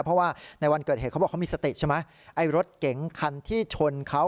เพราะว่าในวันเกิดเหตุเขาบอกเขามีสติใช่ไหมไอ้รถเก๋งคันที่ชนเขา